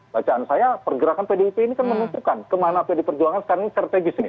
bacaan saya pergerakan pdip ini kan menunjukkan kemana pd perjuangan sekarang ini strategis ini